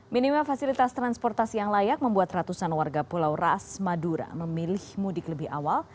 minimnya fasilitas transportasi yang layak membuat ratusan warga pulau raas madura memilih mudik lebih awal